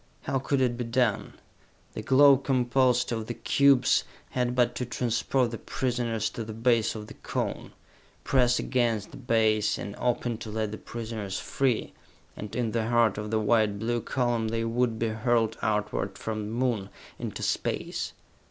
How could it be done? The globe composed of the cubes had but to transport the prisoners to the base of the Cone, press against that base, and open to let the prisoners free and in the heart of the white blue column they would be hurled outward from the Moon, into space.